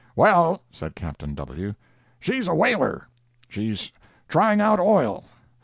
"Well," said Captain W., "she's a whaler. She's trying out oil.